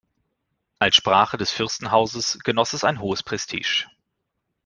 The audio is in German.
Als Sprache des Fürstenhauses genoss es ein hohes Prestige.